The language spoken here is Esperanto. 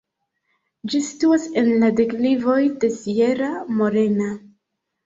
Ĝi situas en la deklivoj de Sierra Morena.